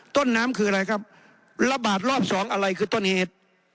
ต้นน้ำคืออะไรครับระบาดรอบสองอะไรคือต้นเหตุ